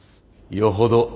よほど